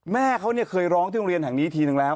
แม่เขาเนี่ยเคยร้องที่โรงเรียนแห่งนี้ทีนึงแล้ว